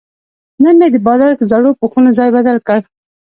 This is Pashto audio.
نن مې د بالښت زړو پوښونو ځای بدل کړ.